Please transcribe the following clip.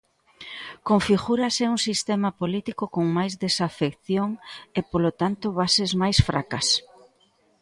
Configúrase un sistema político con máis desafección e, polo tanto, bases máis fracas.